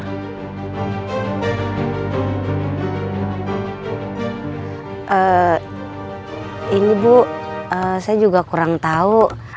ini bu saya juga kurang tahu